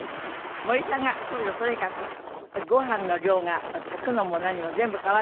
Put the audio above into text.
森さんが来るととにかくご飯の量が炊くのも何も全部変わるんですって？